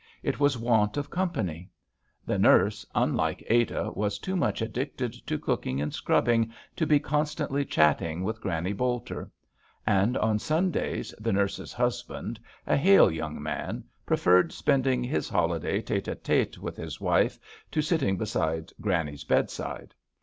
It was want of company. The nurse, unlike Ada, was too much addicted to cooking and scrubbing to be constantly chatting with Granny Bolter ; and on Sun days the nurse's husband, a hale young man, preferred spending his holiday tete 1 tfite with his wife to sitting beside Granny's bedside.